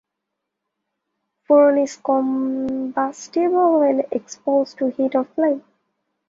Phorone is combustible when exposed to heat or flame.